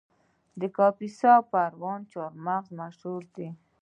د کاپیسا او پروان چهارمغز مشهور دي